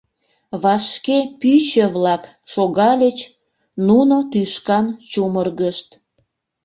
Вашке пӱчӧ-влак шогальыч, нуно тӱшкан чумыргышт.